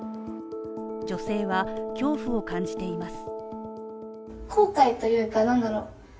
女性は恐怖を感じています。